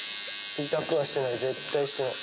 痛くはしない、絶対しない。